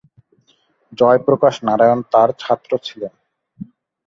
জয়প্রকাশ নারায়ণ তাঁর ছাত্র ছিলেন।